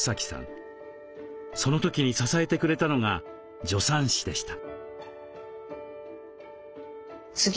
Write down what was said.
その時に支えてくれたのが助産師でした。